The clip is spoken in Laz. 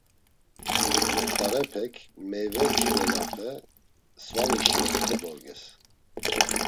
Muxt̆arepek meyve mşkvelape svanişis kodorges.